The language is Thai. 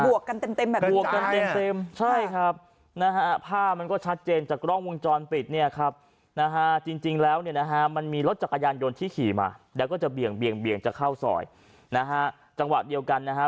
ปวกกันเต็มแบบเต็มใช่ครับภาพมันก็ชัดเจนจากกล้องวงจรปิดเนี่ยครับจริงแล้วมันมีรถจากกายานยนต์ที่ขี่มาแล้วก็จะเบี่ยงจะเข้าซอยจังหวะเดียวกันนะฮะ